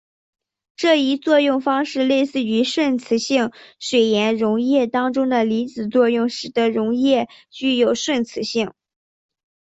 这一作用方式类似于顺磁性水盐溶液当中的离子作用使得溶液具有顺磁性。